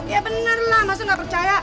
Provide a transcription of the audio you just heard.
iya bener lah masa gak percaya